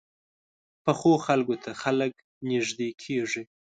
پخو خلکو ته خلک نږدې کېږي